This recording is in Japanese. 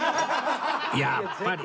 やっぱり！